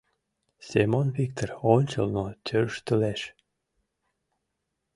— Семон Виктыр ончылно тӧрштылеш.